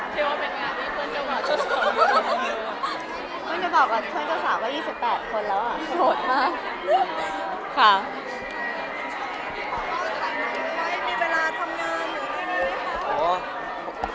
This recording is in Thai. มีเวลาทำงานหรือแค่นี้